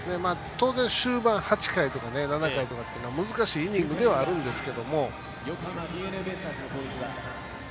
当然、終盤の８回とか７回とかっていうのは難しいイニングではあるんですが。